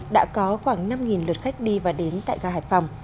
đã có khoảng năm lượt khách đi và đến tại gà hải phòng